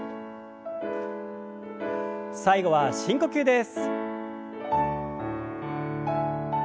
最後は深呼吸です。